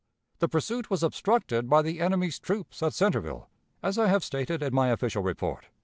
The pursuit was 'obstructed' by the enemy's troops at Centreville, as I have stated in my official report.